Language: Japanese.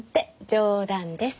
冗談です。